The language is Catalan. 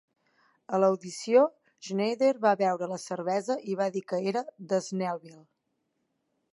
A l'audició, Schneider va beure la cervesa i va dir que era de Snellville.